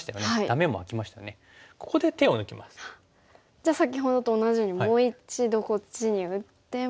じゃあ先ほどと同じようにもう一度こっちに打っても。